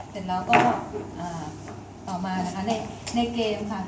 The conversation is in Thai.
เสร็จแล้วก็ต่อมานะคะในเกมค่ะ